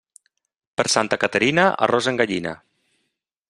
Per Santa Caterina, arròs en gallina.